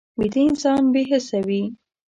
ویده انسان بې حسه وي